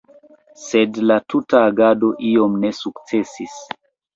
Sed la tuta agado iom ne sukcesis.